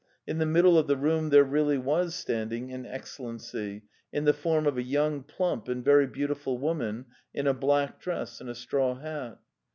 In the middle of the room there really was standing an Excellency, in the form of a young plump and very beautiful woman in a black dress and a straw hat.